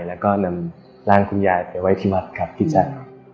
แล้วก็นำร่างคุณยายไปไว้ที่วัดครับพี่แจ๊ค